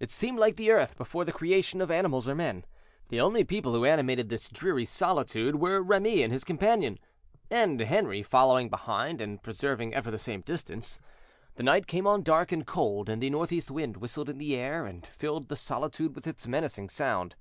It seemed like the earth before the creation of animals or men. The only people who animated this dreary solitude were Remy and his companion, and Henri following behind and preserving ever the same distance. The night came on dark and cold, and the northeast wind whistled in the air, and filled the solitude with its menacing sound.